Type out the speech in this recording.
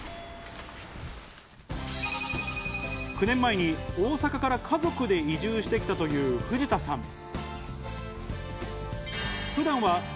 ９年前に大阪から家族で移住してきたという藤田さん。